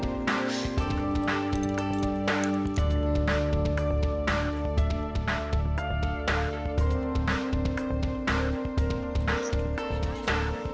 udah tapi ntar lu tea lalu